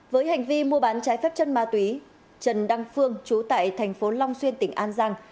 với hành vi mua bán trái phép chân ma túy trần đăng phương chú tại tp long xuyên tỉnh an giang